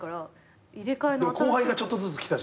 でも後輩がちょっとずつ来たじゃない。